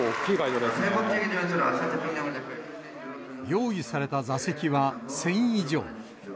用意された座席は１０００以上。